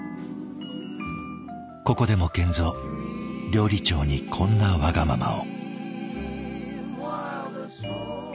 ここでも賢三料理長にこんなわがままを。